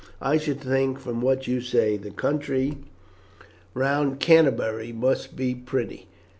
I should think, from what you say, the country round Canterbury must be pretty.